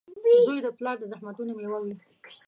• زوی د پلار د زحمتونو مېوه وي.